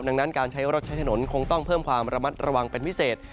ดังนั้นการใช้รถใช้ถนนคงต้องเพิ่มความระมัดระวังเป็นพิเศษ